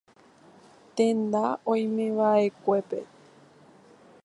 Tenda oimeva'ekuépe.